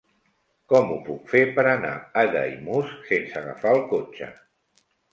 Com ho puc fer per anar a Daimús sense agafar el cotxe?